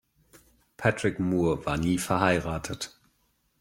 Patrick Moore war nie verheiratet.